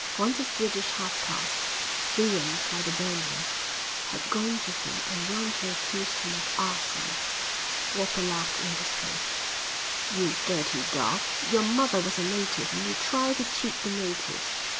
Once a Swedish half caste, ruined by the burning, had gone to him and roundly accused him of arson. Walker laughed in his face. "You dirty dog. Your mother was a native and you try to cheat the natives.